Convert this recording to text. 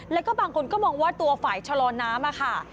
แล้วก็บางคนก็มองว่าตัวฝ่ายชะลอน้ำค่ะ